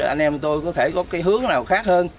anh em tôi có thể có cái hướng nào khác hơn